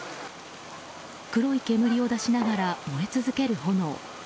黒い煙を出しながら燃え続ける炎。